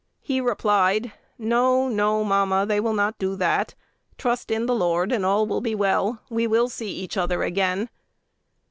He replied, "No, no, mamma: they will not do that. Trust in the Lord, and all will be well: we will see each other again."